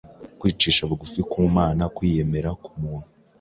Kwicisha bugufi ku Mana, kwiyemera ku muntu,